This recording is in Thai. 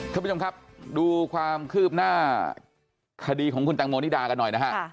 ท่านผู้ชมครับดูความคืบหน้าคดีของคุณแตงโมนิดากันหน่อยนะฮะ